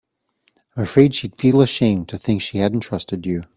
I'm afraid she'd feel ashamed to think she hadn't trusted you.